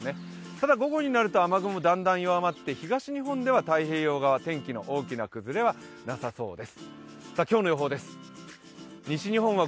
ただ、午後になると雨雲だんだん弱まって東日本では太平洋側、天気の大きな崩れはなさそうです。